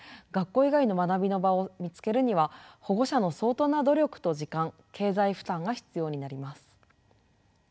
学校以外の学びの場を見つけるには保護者の相当な努力と時間経済負担が必要になります。